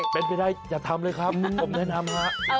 เป็นไปได้อย่าทำเลยครับผมแนะนำฮะ